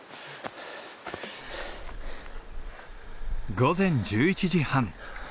午前１１時半。